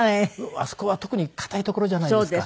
あそこは特に堅いところじゃないですか。